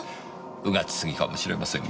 うがち過ぎかもしれませんが。